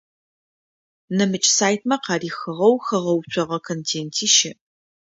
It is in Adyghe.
Нэпэмыкӏ сайтмэ къарыхыгъэу хэгъэуцогъэ контенти щыӏ.